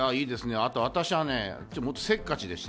あと私はね、せっかちでして。